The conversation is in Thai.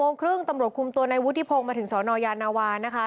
โมงครึ่งตำรวจคุมตัวในวุฒิพงศ์มาถึงสนยานาวานะคะ